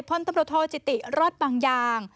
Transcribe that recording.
พลตำรวจโทจิติรอดบางยาง